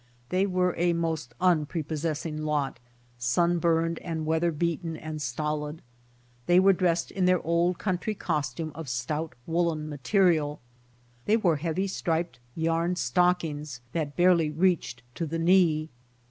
They were a most unprepossessing lot, ?un burned and weather beaten and stolid. They were dressed in their old country costume of stout woolen material. They wore heavy striped yarn stockings that barely reached to the knee.